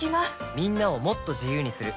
みんなをもっと自由にする「三菱冷蔵庫」